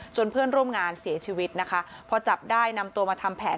เพื่อนร่วมงานเสียชีวิตนะคะพอจับได้นำตัวมาทำแผน